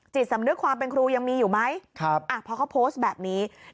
สำนึกความเป็นครูยังมีอยู่ไหมพอเขาโพสต์แบบนี้